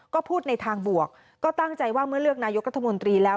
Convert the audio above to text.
ก็พูดในทางบวกก็ตั้งใจว่าเมื่อเลือกนายกรัฐมนตรีแล้ว